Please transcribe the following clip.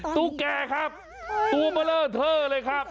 ตุ๊กแกครับตวบะเริ่งเท่าไรครับ